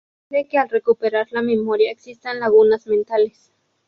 Puede que al recuperar la memoria existan lagunas mentales.